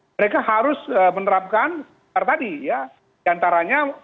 mereka harus menerapkan